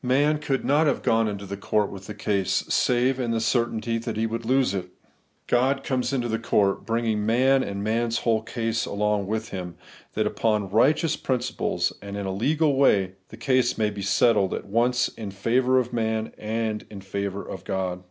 Man could not have gone into court with the case, save in the certainty that he would lose it. God comes into court, bringing man and man's whole case along with Him, that upon righteous principles, and in a legal way, the case may be settled, at once in favour of man and in favour of God.